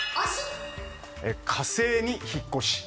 火星に引っ越し。